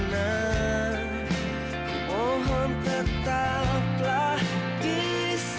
jadi yang terbaik